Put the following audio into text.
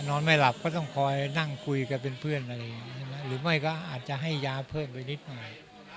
นอนไม่หลับก็ต้องคอยนั่งคุยกับเพื่อนหรือไม่ก็อาจจะให้ยาเพิ่มไปนิดหน่อย